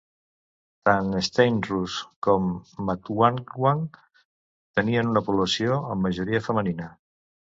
Tant Steynsrus com Matlwangtlwang tenien una població amb majoria femenina.